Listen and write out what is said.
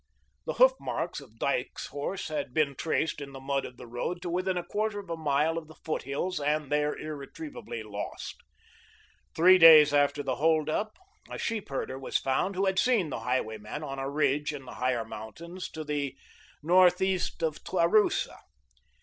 The hoof marks of Dyke's horse had been traced in the mud of the road to within a quarter of a mile of the foot hills and there irretrievably lost. Three days after the hold up, a sheep herder was found who had seen the highwayman on a ridge in the higher mountains, to the northeast of Taurusa.